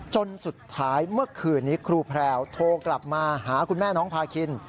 จนสุดท้ายเมื่อคืนนี้ครูแพรวโทรกลับมาหาคุณแม่น้องพาคิน